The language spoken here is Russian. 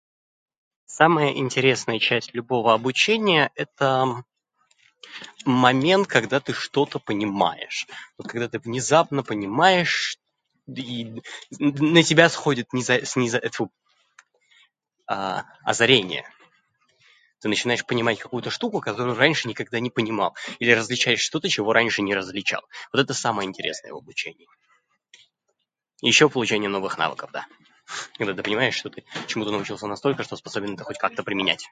Самая интересная часть любого обучения - это момент, когда ты что-то понимаешь. Вот когда ты внезапно понимаешь чт- да и н- на тебя сходит низа- сниза-, тьфу, а-а, озарение. Ты начинаешь понимать какую-то штуку, которую раньше никогда не понимал. Или различаешь что-то, чего раньше не различал. Вот это самое интересное в обучении. И ещё в получении новых навыков, да. Когда ты понимаешь, что ты чему-то научился настолько, что способен это хоть как-то применять.